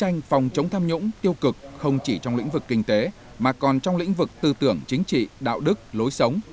tạo không khí phấn khởi trong lĩnh vực kinh tế mà còn trong lĩnh vực tư tưởng chính trị đạo đức lối sống